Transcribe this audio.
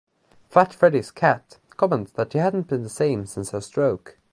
Fat Freddy's Cat comments that she hasn't been the same since her stroke.